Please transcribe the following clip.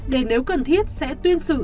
để nếu cần thiết sẽ tuyên xử